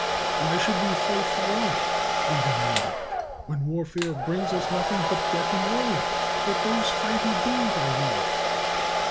"Why should we fight for Rome? " they demanded, "when warfare brings us noth ing but debt and ruin? Let those fight who gain by war."